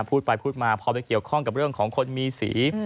พูดไปพูดมาพอไปเกี่ยวข้องกับเรื่องของคนมีสี